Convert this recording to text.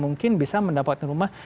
mungkin bisa mendapatkan rumah